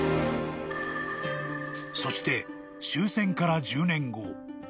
［そして終戦から１０年後］